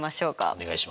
お願いします。